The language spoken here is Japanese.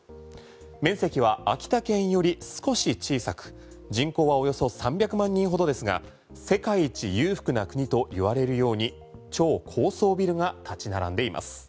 面積は秋田県より少し小さく人口はおよそ３００万人ほどですが世界一裕福な国と言われるように超高層ビルが立ち並んでいます。